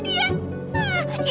mereka nanti nangkutin aja dia